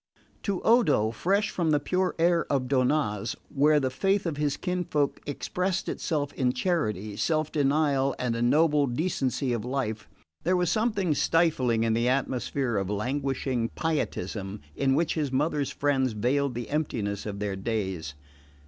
To Odo, fresh from the pure air of Donnaz, where the faith of his kinsfolk expressed itself in charity, self denial and a noble decency of life, there was something stifling in the atmosphere of languishing pietism in which his mother's friends veiled the emptiness of their days.